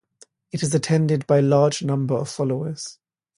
It is attended by large number of followers.